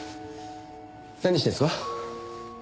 何してんすか？